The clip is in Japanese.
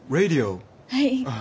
はい。